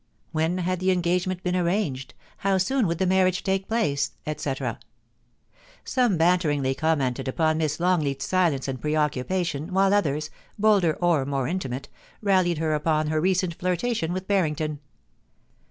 When had the engagement been arranged ? how soon would the marriage take place ? etc Some banteringly commented upon Miss Longleat's silence and preoccupation, while others, bolder or more intimate, rallied her upon her recent flirta tion with Harrington.